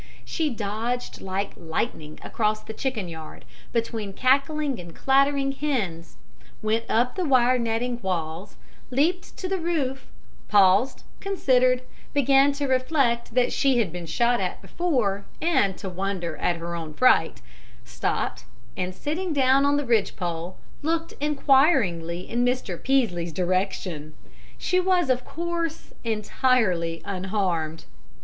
She dodged like lightning across the chicken yard, between cackling and clattering hens, went up the wire netting walls, leaped to the roof, paused, considered, began to reflect that she had been shot at before and to wonder at her own fright, stopped, and, sitting down on the ridgepole, looked inquiringly in Mr. Peaslee's direction. She was, of course, entirely unharmed.